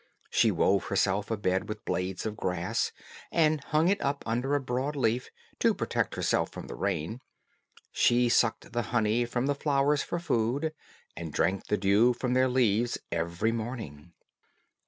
She wove herself a bed with blades of grass, and hung it up under a broad leaf, to protect herself from the rain. She sucked the honey from the flowers for food, and drank the dew from their leaves every morning.